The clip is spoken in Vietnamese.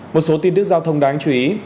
một số tin tức giao thông đáng chú ý